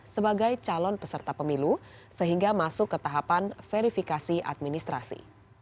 sebagai calon peserta pemilu sehingga masuk ke tahapan verifikasi administrasi